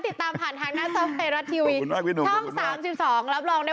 ติดตามผ่านทางหน้าทรัฟเฟรุ่นที่วีช่องตายสิบสองรับรองได้